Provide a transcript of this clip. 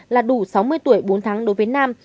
là đủ sáu mươi tuổi bốn tháng đối với nam